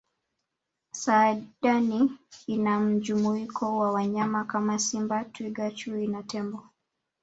saadani ina mjumuiko wa wanyama Kama simba twiga chui na tembo